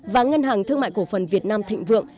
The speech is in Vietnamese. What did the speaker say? và ngân hàng thương mại cổ phần việt nam thịnh vượng